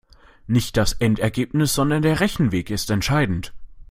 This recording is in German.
Nicht das Endergebnis, sondern der Rechenweg ist entscheidend.